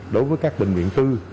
đối với các bệnh viện tư